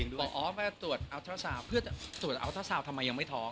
บอกอ๋อไปตรวจอัลทราซาวน์ตรวจอัลทราซาวน์ทำไมยังไม่ท้อง